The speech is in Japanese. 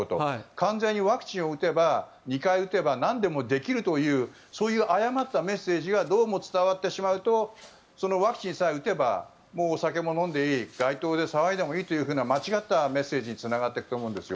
完全にワクチンを打てば２回打てばなんでもできるというそういう誤ったメッセージがどうも伝わってしまうとそのワクチンさえ打てばもうお酒も飲んでもいい街頭で騒いでもいいという間違ったメッセージにつながっていくと思うんですよ。